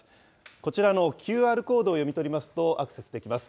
こちらのＱＲコードを読み取りますと、アクセスできます。